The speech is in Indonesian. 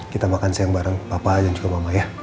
kita makan siang bareng papa dan juga mama ya